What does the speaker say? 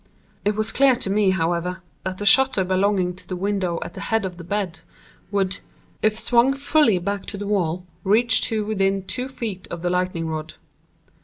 It was clear to me, however, that the shutter belonging to the window at the head of the bed, would, if swung fully back to the wall, reach to within two feet of the lightning rod.